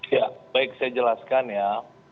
ya baik saya jelaskan ya